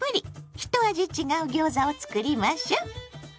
一味違うギョーザを作りましょ。